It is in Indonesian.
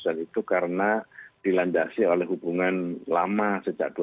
dan itu karena dilandasi oleh hubungan lama sejak dua ribu sembilan